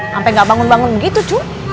sampai gak bangun bangun begitu cu